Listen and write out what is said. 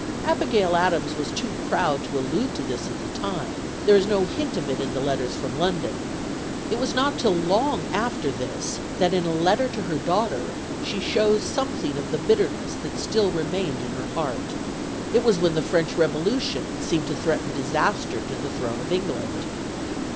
Abigail Adams was too proud to allude to this at the time; there is no hint of it in the letters from London. It was not till long after this that in a letter to her daughter she shows something of the bitterness that still remained in her heart. It was when the French Revolution seemed to threaten disaster to the throne of England.